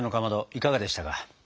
いかがでしたか？